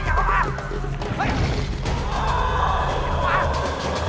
อย่าเข้ามา